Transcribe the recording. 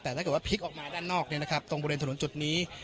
แต่ถ้าเกิดว่าพลิกออกมาด้านนอกตรงบริเวณถนนจุดนี้